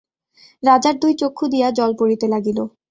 রাজার দুই চক্ষু দিয়া জল পড়িতে লাগিল।